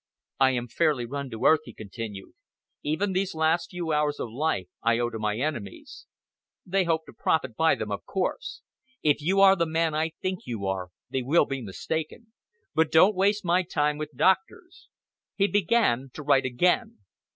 "I am fairly run to earth," he continued. "Even these few hours of life I owe to my enemies. They hope to profit by them, of course. If you are the man I think you are, they will be mistaken. But don't waste my time with doctors." He began to write again.